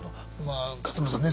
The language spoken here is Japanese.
勝村さんね